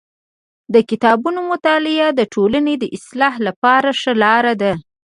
د کتابونو مطالعه د ټولني د اصلاح لپاره ښه لار ده.